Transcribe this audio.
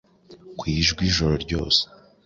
ku Ijwi ijoro ryose;